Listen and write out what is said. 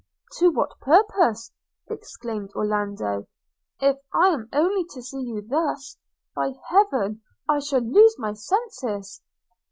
'To what purpose,' exclaimed Orlando, 'if I am only to see you thus? By Heaven I shall lose my senses!'